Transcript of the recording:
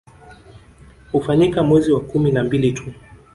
Hufanyika mwezi wa kumi na mbili tu